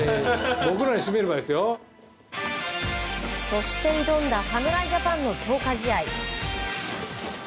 そして挑んだ侍ジャパンの強化試合。